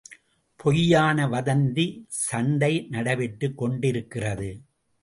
பொய்யான வதந்தி சண்டை நடைபெற்றுக் கொண்டிருக்கிறது.